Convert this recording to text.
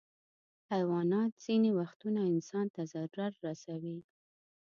حیوانات ځینې وختونه انسان ته ضرر رسوي.